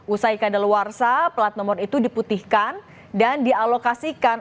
usai kadaluarsa plat nomor itu diputihkan dan dialokasikan